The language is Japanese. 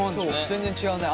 全然違うね。